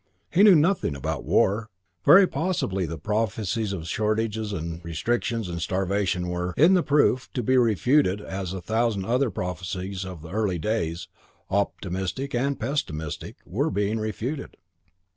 He knew nothing about war. Very possibly the prophecies of shortage and restrictions and starvation were, in the proof, to be refuted as a thousand other prophecies of the early days, optimistic and pessimistic, were being refuted.